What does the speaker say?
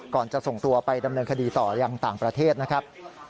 จะส่งตัวไปดำเนินคดีต่อยังต่างประเทศนะครับ